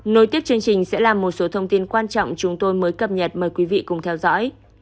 nối tiếp chương trình sẽ là một số thông tin quan trọng chúng tôi mới cập nhật mời quý vị cùng theo dõi